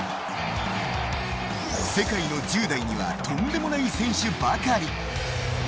世界の１０代にはとんでもない選手ばかり。